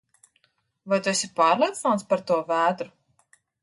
Vai tu esi pārliecināts par to vētru?